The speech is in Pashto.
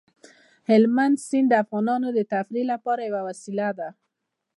هلمند سیند د افغانانو د تفریح لپاره یوه وسیله ده.